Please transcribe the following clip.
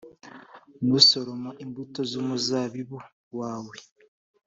nusoroma imbuto z’umuzabibu wawe,